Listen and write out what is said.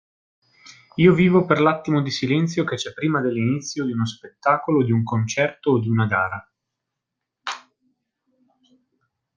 Io vivo per l'attimo di silenzio che c'è prima dell'inizio di uno spettacolo o di un concerto o di una gara.